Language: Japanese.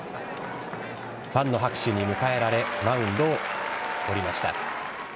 ファンの拍手に迎えられマウンドを降りました。